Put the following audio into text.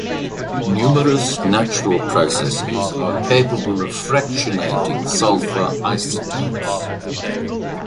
Numerous natural processes are capable of fractionating sulfur isotopes.